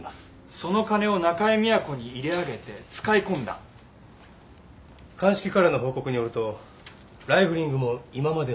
その金を中井美和子に入れ揚げて使い込んだ鑑識からの報告によるとライフリングも今までの事件と一致